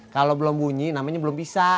kalau belum bunyi namanya belum bisa